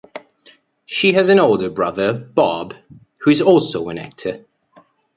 She has an older brother, Bob, who is also an actor.